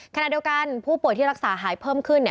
ขณะเดียวกันผู้ป่วยที่รักษาหายเพิ่มขึ้น